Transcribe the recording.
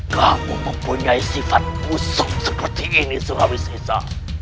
kamu mempunyai sifat musuh seperti ini surawi seja